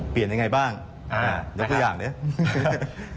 เปลี่ยนยังไงบ้างนี่คืออย่างเนี่ย